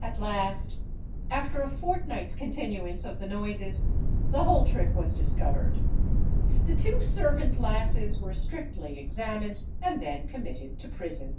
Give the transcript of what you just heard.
At last, after a fortnight's continuance of the noises, the whole trick was discovered. The two servant lasses were strictly examined, and then committed to prison.